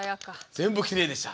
全部きれいでした。